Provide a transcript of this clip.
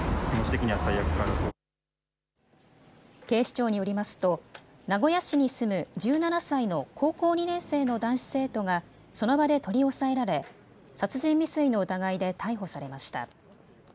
警視庁によりますと名古屋市に住む１７歳の高校２年生の男子生徒がその場で取り押さえられ殺人未遂の疑いで逮捕されました。